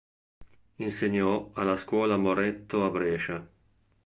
Insegnò alla scuola Moretto a Brescia.